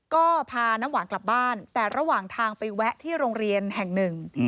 ก็พาน้ำหวานกลับบ้านแต่ระหว่างทางไปแวะที่โรงเรียนแห่งหนึ่ง